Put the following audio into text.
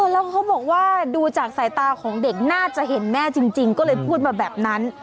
แล้วเขาบอกว่าดูจากสายตาของเด็กน่าจะเห็นแม่จริงก็เลยพูดมาแบบนั้น